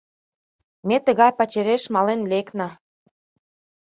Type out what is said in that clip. Ме тыгай пачереш мален лекна.